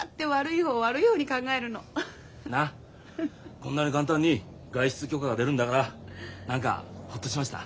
こんなに簡単に外出許可が出るんだから何かホッとしました。